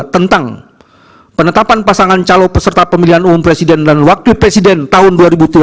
tentang penetapan pasangan calon peserta pemilihan umum presiden dan wakil presiden tahun dua ribu tujuh belas